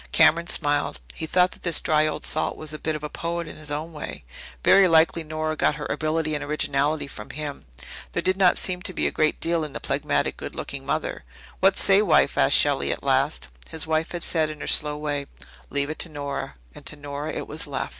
Cameron smiled. He thought that this dry old salt was a bit of a poet in his own way. Very likely Nora got her ability and originality from him. There did not seem to be a great deal in the phlegmatic, good looking mother. "What say, wife?" asked Shelley at last. His wife had said in her slow way, "Leave it to Nora," and to Nora it was left.